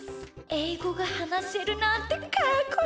えいごがはなせるなんてかっこいい！